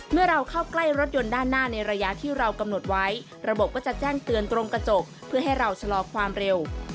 เมื่อเราเข้าใกล้รถยนต์ด้านหน้าในระยะที่เรากำหนดไว้ระบบก็จะแจ้งเตือนตรงกระจกเพื่อให้เราชะลอความเร็ว